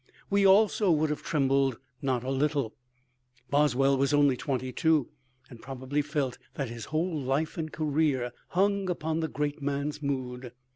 We also would have trembled not a little. Boswell was only twenty two, and probably felt that his whole life and career hung upon the great man's mood.